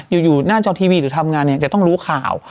อยู่หน้าจอทีวีหรือทำงานเนี่ยจะต้องรู้ข่าว